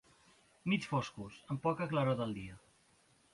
Mig foscos, amb poca claror del dia.